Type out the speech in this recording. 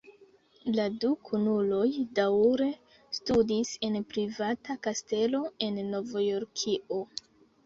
La du kunuloj daŭre studis en privata kastelo en Novjorkio.